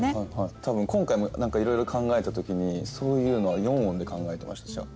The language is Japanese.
多分今回も何かいろいろ考えた時にそういうのは四音で考えてましたじゃあ。